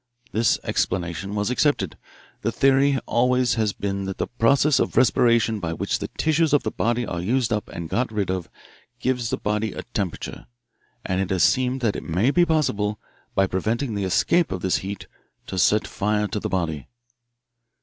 This explanation was accepted. The theory always has been that the process of respiration by which the tissues of the body are used up and got rid of gives the body a temperature, and it has seemed that it may be possible, by preventing the escape of this heat, to set fire to the body."